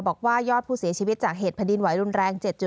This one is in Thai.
บอกว่ายอดผู้เสียชีวิตจากเหตุแผ่นดินไหวรุนแรง๗๕